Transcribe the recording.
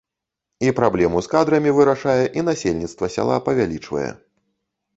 І праблему з кадрамі вырашае, і насельніцтва сяла павялічвае.